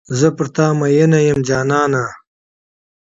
زه پر تا میین یمه جانانه.